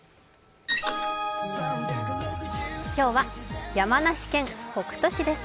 今日は山梨県北杜市です。